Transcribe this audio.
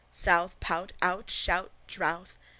South, pout, out, shout, drouth.